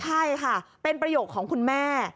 ใช่ค่ะเป็นประโยคของคุณแม่